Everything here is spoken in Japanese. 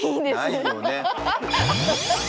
ないよね。